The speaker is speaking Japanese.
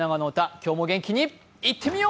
今日も元気よくいってみよう！